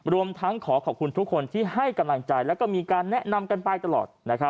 รวมทั้งขอขอบคุณทุกคนที่ให้กำลังใจแล้วก็มีการแนะนำกันไปตลอด